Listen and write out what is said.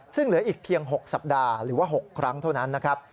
ซึ่งเหลืออีกเพียง๖สัปดาห์หรือว่า๖ครั้งเท่านั้นนะครับ